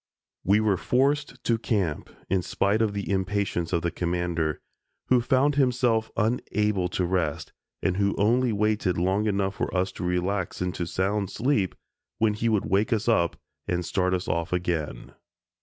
We were forced to camp, in spite of the impatience of the Commander, who found himself unable to rest, and who only waited long enough for us to relax into sound sleep, when he would wake us up and start us off again.